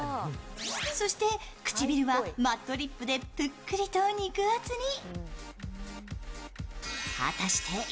そして唇はマットリップでぷっくりと肉厚に。